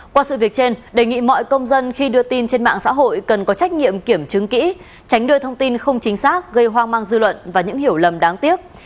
qua sự việc trên đề nghị mọi công dân khi đưa tin trên mạng xã hội cần có trách nhiệm kiểm chứng kỹ tránh đưa thông tin không chính xác gây hoang mang dư luận và những hiểu lầm đáng tiếc